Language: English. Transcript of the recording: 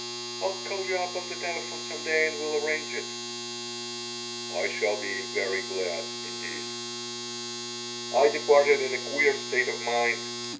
I'll call you up on the telephone some day and we'll arrange it." "I shall be very glad, indeed." I departed in a queer state of mind.